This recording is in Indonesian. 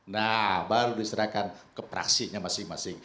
nah baru diserahkan ke praksinya masing masing